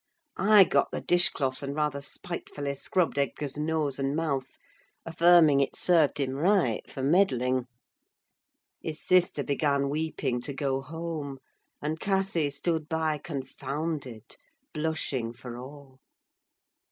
I got the dish cloth, and rather spitefully scrubbed Edgar's nose and mouth, affirming it served him right for meddling. His sister began weeping to go home, and Cathy stood by confounded, blushing for all.